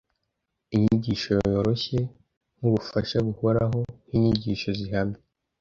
Inyigisho yoroshye nkubufasha buhoraho nkinyigisho zihamye,